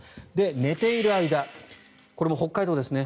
寝ている間これも北海道ですね